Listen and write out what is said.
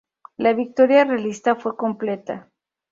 La victoria realista fue completa.